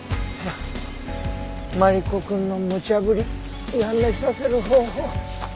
マリコくんのむちゃぶりやめさせる方法。